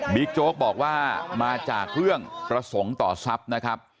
โจ๊กบอกว่ามาจากเรื่องประสงค์ต่อทรัพย์นะครับ